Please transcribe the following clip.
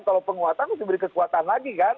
kalau penguatan harus diberi kekuatan lagi kan